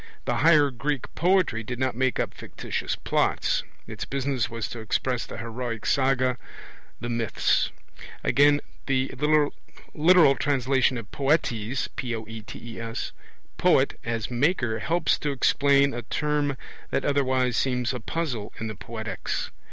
The higher Greek poetry did not make up fictitious plots; its business was to express the heroic saga, the myths. Again, the literal translation of poetes, poet, as 'maker', helps to explain a term that otherwise seems a puzzle in the Poetics.